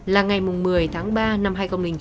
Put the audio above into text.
là ngày một mươi tháng ba năm hai nghìn chín